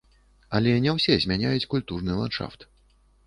Але не ўсе змяняюць культурны ландшафт.